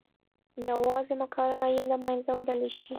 یوازې مکالمه یې له منځه وړلی شي.